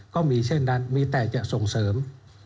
ก็มีเช่นนั้นมีแต่จะส่งเสริม